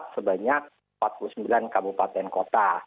sebanyak empat puluh sembilan kabupaten kota